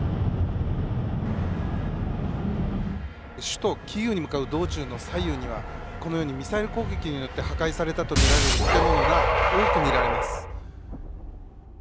首都キーウに向かう道中の左右にはこのようにミサイル攻撃によって破壊されたとみられる建物が多く見られます。